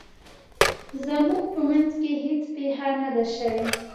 زموږ په مینځ کې هیڅ پیښه نه ده شوې